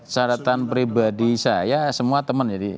syaratan pribadi saya semua teman jadi